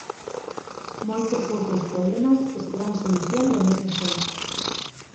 Moitos outros problemas esperan solución do mesmo xeito.